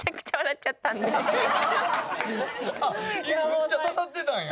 あっむっちゃ刺さってたんや。